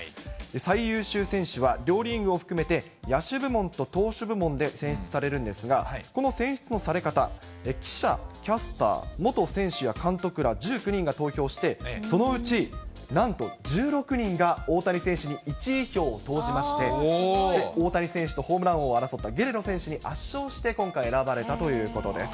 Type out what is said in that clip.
最優秀選手は両リーグを含めて、野手部門と投手部門で選出されるんですが、この選出のされ方、記者、キャスター、元選手や監督ら１９人が投票して、そのうちなんと１６人が大谷選手に１位票を投じまして、大谷選手とホームラン王を争ったゲレロ選手に圧勝して、今回、選ばれたということです。